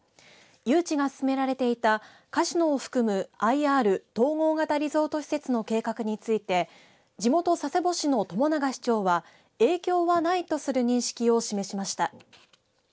誘致が進められていたカジノを含むＩＲ、統合型リゾート施設の計画について地元佐世保市の朝長市長は影響はないとする認識を示しました。